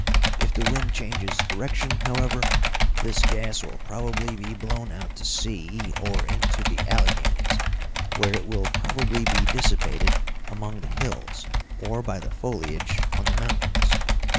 "If the wind changes direction, however, this gas will probably be blown out to sea, or into the Alleghanies, where it will probably be dissipated among the hills, or by the foliage on the mountains.